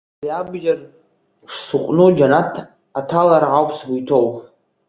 Абри абџьар шсыҟәну џьанаҭ аҭалара ауп сгәы иҭоу!